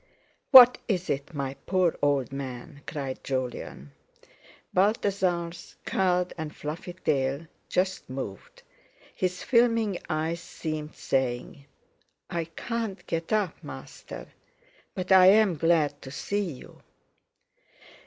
"What is it, my poor old man?" cried Jolyon. Balthasar's curled and fluffy tail just moved; his filming eyes seemed saying: "I can't get up, master, but I'm glad to see you."